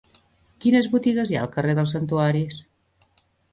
Quines botigues hi ha al carrer dels Santuaris?